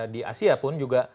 di asia pun juga